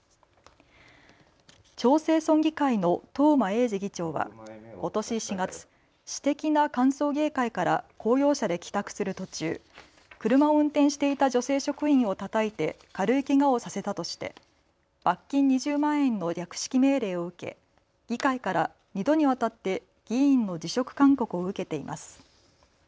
長生村議会の東間永次議長はことし４月、私的な歓送迎会から公用車で帰宅する途中車を運転していた女性職員をたたいて軽いけがをさせたとして罰金２０万円の略式命令を受け議会から２度にわたって議員の辞職勧告を受けています。